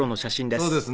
そうですね。